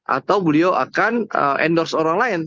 atau beliau akan endorse orang lain